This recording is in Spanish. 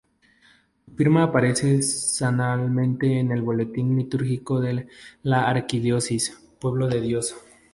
Su firma aparece semanalmente en el Boletín Litúrgico de la Arquidiócesis, "Pueblo de Dios".